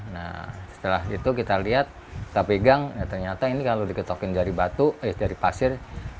nah setelah itu kita lihat kita pegang ternyata ini kalau diketokin dari batu eh dari pasir